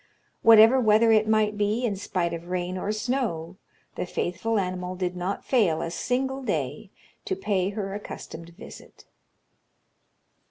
Whatever weather it might be, in spite of rain or snow, the faithful animal did not fail a single day to pay her accustomed visit.